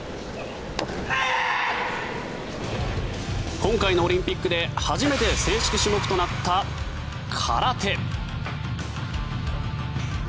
今回のオリンピックで初めて正式種目となった空手。